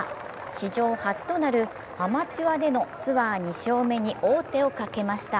史上初となるアマチュアでのツアー２勝目に王手をかけました。